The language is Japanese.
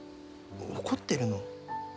怒ってるの？